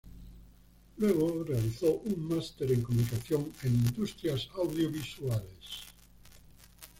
Luego, realizó un Máster en Comunicación en Industrias Audiovisuales.